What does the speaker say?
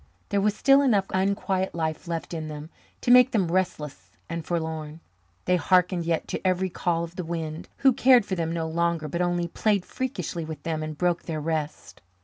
There was still enough unquiet life left in them to make them restless and forlorn. They hearkened yet to every call of the wind, who cared for them no longer but only played freakishly with them and broke their rest.